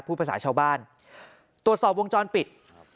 ภาษาชาวบ้านตรวจสอบวงจรปิด